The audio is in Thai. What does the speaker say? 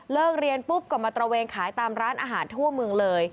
เรียนปุ๊บก็มาตระเวนขายตามร้านอาหารทั่วเมืองเลย